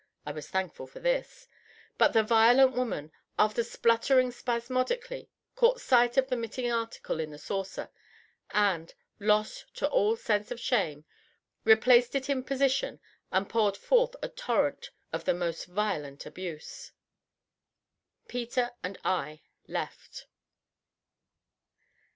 I was thankful for this; but the violent woman, after sputtering spasmodically, caught sight of the missing article in the saucer, and, lost to all sense of shame, replaced it in position and poured forth a torrent of the most violent abuse. Peter and I left.